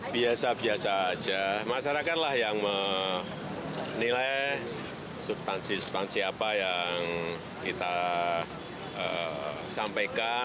biasa biasa saja masyarakatlah yang menilai substansi substansi apa yang kita sampaikan